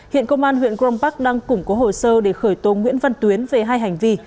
hiện công an huyện grom park đang củng cố hồ sơ để khởi tố nguyễn văn tuyến về hai hành vi